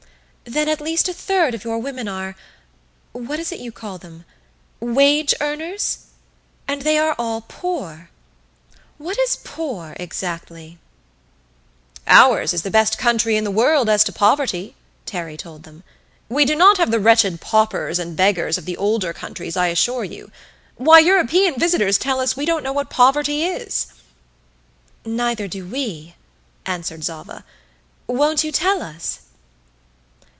"Then at least a third of your women are what is it you call them wage earners? And they are all poor. What is poor, exactly?" "Ours is the best country in the world as to poverty," Terry told them. "We do not have the wretched paupers and beggars of the older countries, I assure you. Why, European visitors tell us, we don't know what poverty is." "Neither do we," answered Zava. "Won't you tell us?"